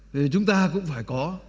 thì chúng ta cũng phải có